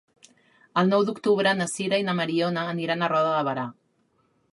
El nou d'octubre na Sira i na Mariona aniran a Roda de Berà.